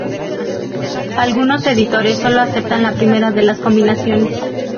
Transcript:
Algunos editores sólo aceptan la primera de las combinaciones.